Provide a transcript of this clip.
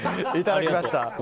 いただきました。